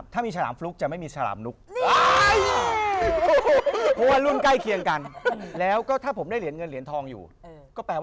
ถ้ามีฟวกไม่มีใครนะ